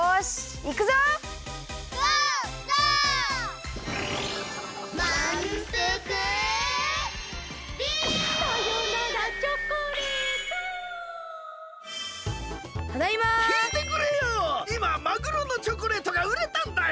いまマグロのチョコレートがうれたんだよ！